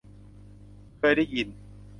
เคยได้ยิน